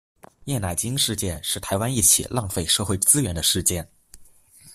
叶乃菁事件是台湾一起浪费社会资源的事件。